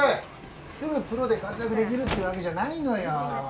すぐプロで活躍できるってわけじゃないのよ。